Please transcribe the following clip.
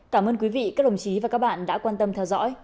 cảm ơn quý vị các đồng chí và các bạn đã quan tâm theo dõi